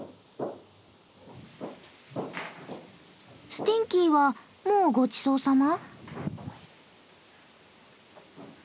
スティンキーはもうごちそうさま？